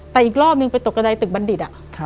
แต่อีกรอบนึงไปตกกระดายตึกบัณฑิต